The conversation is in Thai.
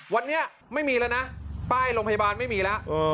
วันนี้ไม่มีแล้วนะป้ายโรงพยาบาลไม่มีแล้ว